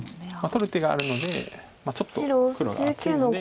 取る手があるのでちょっと黒が厚いので。